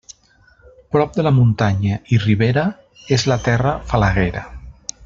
Prop de la muntanya i ribera, és la terra falaguera.